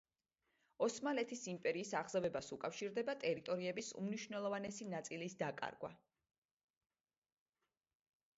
ოსმალეთის იმპერიის აღზევებას უკავშირდება ტერიტორიების უმნიშვნელოვანესი ნაწილის დაკარგვა.